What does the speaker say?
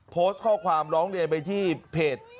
โพสต์ข้อความร้องเรียนไปที่เพจ